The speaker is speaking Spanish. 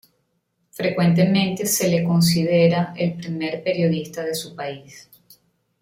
Frecuentemente se le considera el primer periodista de su país.